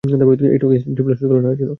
একটু আগে স্টিফলার সুইচগুলো নাড়ছিলো।